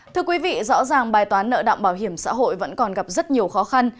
thưa quý vị rõ ràng bài toán nợ động bảo hiểm xã hội vẫn còn gặp rất nhiều khó khăn